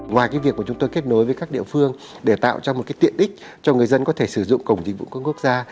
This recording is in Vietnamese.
ngoài việc chúng tôi kết nối với các địa phương để tạo cho một tiện ích cho người dân có thể sử dụng cổng dịch vụ công quốc gia